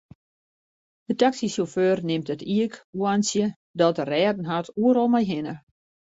De taksysjauffeur nimt it iikhoarntsje dat er rêden hat oeral mei hinne.